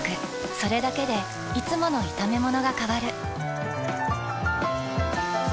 それだけでいつもの炒めものが変わる。